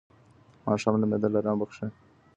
ماښام لمبېدل آرام بخښي.